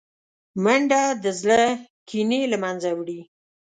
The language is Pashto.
منډه د زړه کینې له منځه وړي